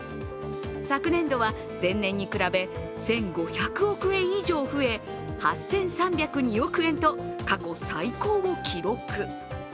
昨年度は前年に比べ１５００億円以上増え、８３０２億円と過去最高を記録。